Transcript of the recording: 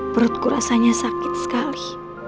perutku rasanya sakit sekali